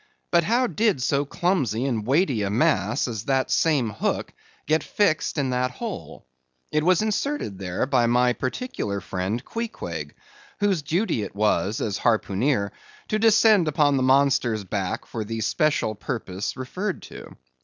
But how did so clumsy and weighty a mass as that same hook get fixed in that hole? It was inserted there by my particular friend Queequeg, whose duty it was, as harpooneer, to descend upon the monster's back for the special purpose referred to.